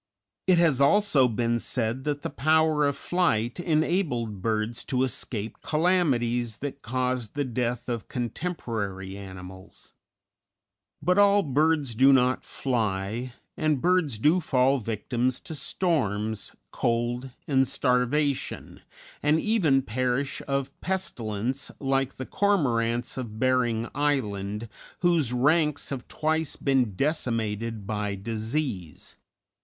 It has also been said that the power of flight enabled birds to escape calamities that caused the death of contemporary animals; but all birds do not fly; and birds do fall victims to storms, cold, and starvation, and even perish of pestilence, like the Cormorants of Bering Island, whose ranks have twice been decimated by disease.